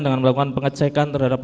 dengan melakukan pengecekan terhadap